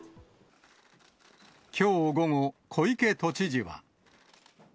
きょう午後、小池都知事は。